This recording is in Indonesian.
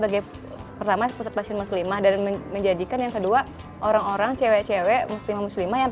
dia mesti ingin kayak bertanggung jawab